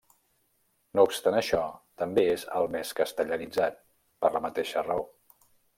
No obstant això també és el més castellanitzat, per la mateixa raó.